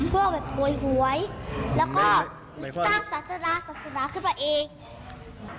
พวกแบบกลวยหวยแล้วก็ต้านสัสสนาสัสสนาขึ้นไปเอง